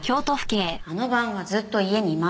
あの晩はずっと家にいました。